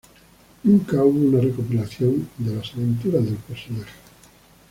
Nunca hubo una recopilación de las aventuras del personaje.